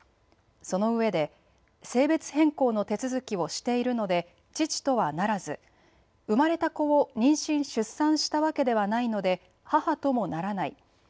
そのうえで性別変更の手続きをしているので父とはならず生まれた子を妊娠・出産したわけではないので母ともならない。